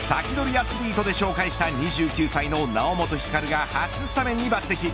アツリートで紹介した２９歳の猶本光が初スタメンに抜てき。